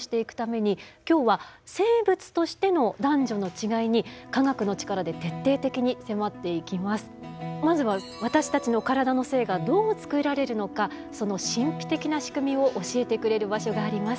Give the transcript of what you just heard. こういった社会的な性まずは私たちの体の性がどう作られるのかその神秘的な仕組みを教えてくれる場所があります。